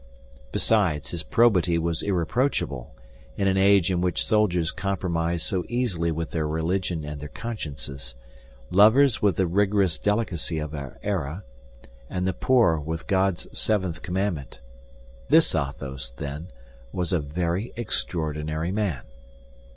Besides, his probity was irreproachable, in an age in which soldiers compromised so easily with their religion and their consciences, lovers with the rigorous delicacy of our era, and the poor with God's Seventh Commandment. This Athos, then, was a very extraordinary man.